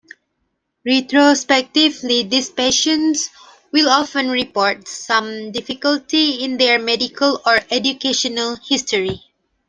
Retrospectively, these patients will often report some difficulty in their medical or educational history.